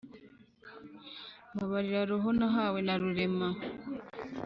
mbabarira roho nahawe na rurema